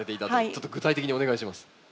ちょっと具体的にお願いします。